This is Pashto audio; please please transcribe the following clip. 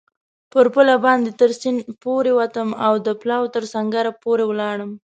پر پله باندې تر سیند پورېوتم او د پلاوا تر سنګره پورې ولاړم.